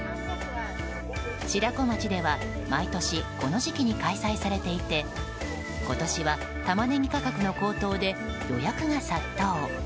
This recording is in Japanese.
白子町では毎年この時期に開催されていて今年はタマネギ価格の高騰で予約が殺到。